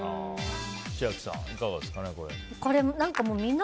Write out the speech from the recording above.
千秋さん、いかがですかね。